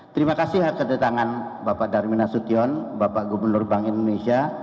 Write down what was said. terima kasih hak kedatangan bapak darminasution bapak gubernur bank indonesia